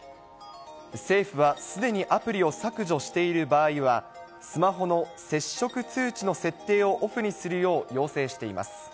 政府はすでにアプリを削除している場合は、スマホの接触通知の設定をオフにするよう要請しています。